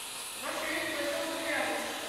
Vingt-et-une voitures bouchaient la route.